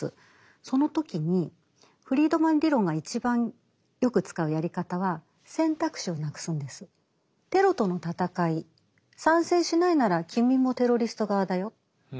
その時にフリードマン理論が一番よく使うやり方はテロとの戦い賛成しないなら君もテロリスト側だよ。